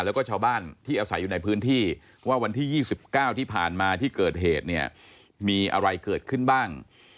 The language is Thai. แล้วก็ชาวบ้านที่อาศัยอยู่ในพื้นที่ว่าวันที่๒๙ที่ผ่านมาที่เกิดเหตุเนี่ยมีอะไรเกิดขึ้นบ้าง